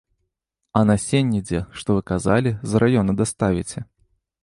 А насенне дзе, што вы казалі, з раёна даставіце?